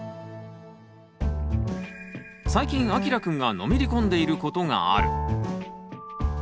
最近あきらくんがのめり込んでいることがある。